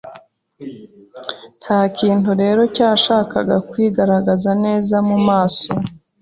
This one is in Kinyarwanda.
Ntakintu rero cyashakaga kwigaragaza neza mumaso